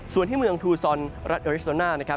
ส่วนที่เมืองทูซอนรัฐเออริสโซน่า